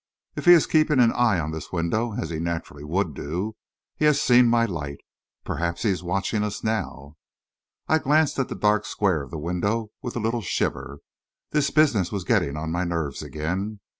"If he is keeping an eye on this window, as he naturally would do, he has seen my light. Perhaps he is watching us now." I glanced at the dark square of the window with a little shiver. This business was getting on my nerves again.